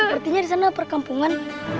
berarti di sana ada perkampungan